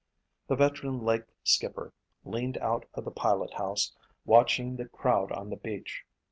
The veteran lake skipper leaned out of the pilot house, watching the crowd on the beach.